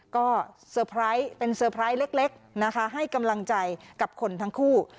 ก็เป็นเซอร์ไพรส์เล็กให้กำลังใจกับคนทั้งคู่